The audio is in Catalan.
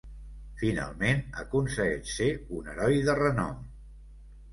Finalment aconsegueix ser un heroi de renom.